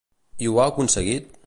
I ho ha aconseguit?